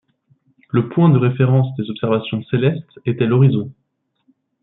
Le point de référence des observations célestes était l'horizon.